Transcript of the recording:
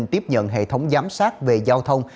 tiếp nhận hệ thống giám sát về giao thông